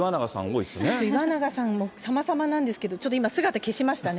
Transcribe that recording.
いわながさんも、さまさまなんですけど、ちょっと今、姿消しましたね。